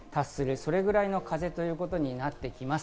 それぐらいの風ということになってきます。